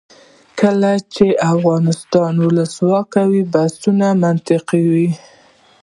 کله چې افغانستان کې ولسواکي وي بحثونه منطقي وي.